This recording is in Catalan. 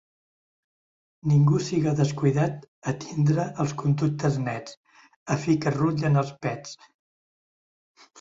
Ningú siga descuidat a tindre els conductes nets, a fi que rutllen els pets.